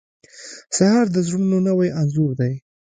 سهار د زړونو نوی انځور دی.